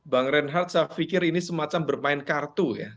bang reinhardt saya pikir ini semacam bermain kartu ya